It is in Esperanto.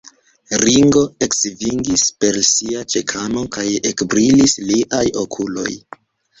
Ringo eksvingis per sia ĉekano, kaj ekbrilis liaj okuloj.